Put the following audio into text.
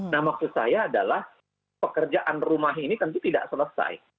nah maksud saya adalah pekerjaan rumah ini tentu tidak selesai